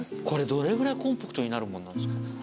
これどれぐらいコンパクトになるもんなんですか？